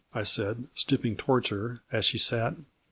" I said, stooping towards her as she sat.